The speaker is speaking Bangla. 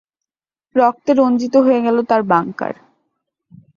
রক্তে রঞ্জিত হয়ে গেল তার বাংকার।